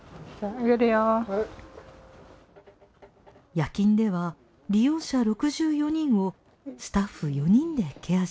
夜勤では利用者６４人をスタッフ４人でケアします。